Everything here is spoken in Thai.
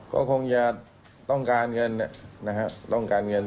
ก็คงอย่าต้องการเงิน๘๒๐๐๐๐๐๐๐๐๐๐